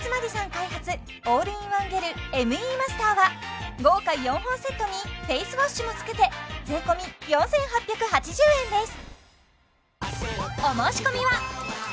開発オールインワンゲルＭＥマスターは豪華４本セットにフェイスウォッシュもつけて税込４８８０円です